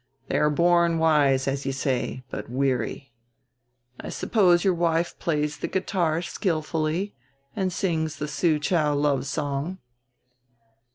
They are born wise, as you say, but weary. I suppose your wife plays the guitar skillfully and sings the Soochow Love Song."